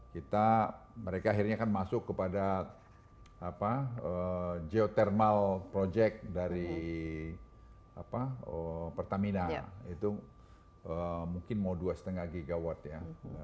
kita mereka akhirnya kan masuk kepada geothermal project dari pertamina itu mungkin mau dua lima gw ya